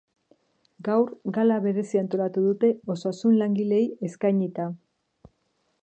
Gaur, gala berezia antolatu dute, osasun langileei eskainita.